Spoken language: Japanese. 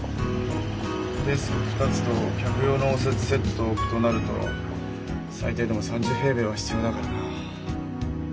デスク２つと客用の応接セットを置くとなると最低でも３０平米は必要だからな。